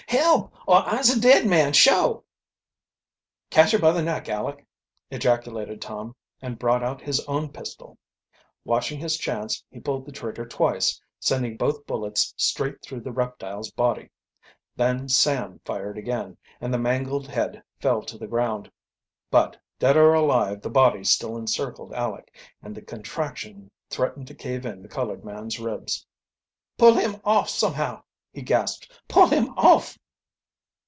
"Help! or Ise a dead man, shuah!" "Catch him by the neck, Aleck!" ejaculated Tom, and brought out his own pistol. Watching his chance, he pulled the trigger twice, sending both bullets straight through the reptile's body. Then Sam fired again, and the mangled head fell to the ground. But dead or alive the body still encircled Aleck, and the contraction threatened to cave in the colored man's ribs. "Pull him off somehow!" he gasped. "Pull him off!"